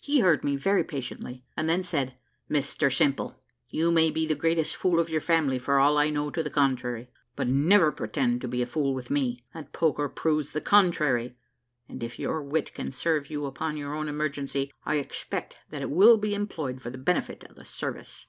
He heard me very patiently, and then said, "Mr Simple, you maybe the greatest fool of your family for all I know to the contrary, but never pretend to be a fool with me. That poker proves the contrary; and if your wit can serve you upon your own emergency, I expect that it will be employed for the benefit of the service."